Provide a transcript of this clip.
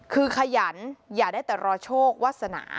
คือขยันอย่าได้แต่รอโชควาสนา